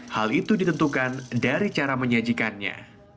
hal itu ditentukan dari cara menyajikannya